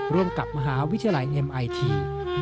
ร่วมกับมหาวิทยาลัยเอ็มไอที